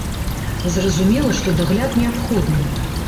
Зразумела, што дагляд неабходны.